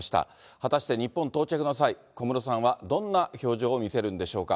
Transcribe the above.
果たして日本到着の際、小室さんはどんな表情を見せるんでしょうか。